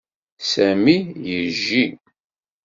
Sami yejji.